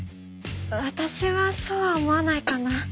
私はそうは思わないかな。